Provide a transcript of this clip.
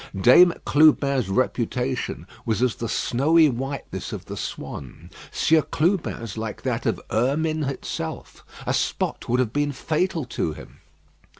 Dame Clubin's reputation was as the snowy whiteness of the swan; Sieur Clubin's like that of ermine itself a spot would have been fatal to him.